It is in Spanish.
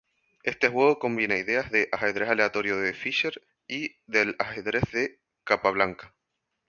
Este juego combina ideas del Ajedrez Aleatorio de Fischer y del Ajedrez de Capablanca.